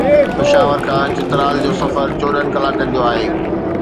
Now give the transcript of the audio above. پشاور کان چترال جو سفر چوڏهن ڪلاڪن جو آهي.